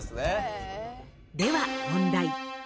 では問題。